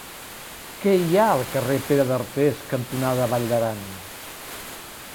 Què hi ha al carrer Pere d'Artés cantonada Vall d'Aran?